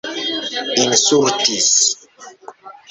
insultis